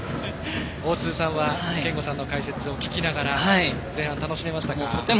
大鈴さんは憲剛さんの解説を聞きながら前半楽しめましたか？